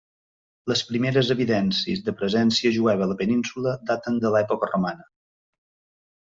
Les primeres evidències de presència jueva a la Península daten de l'època romana.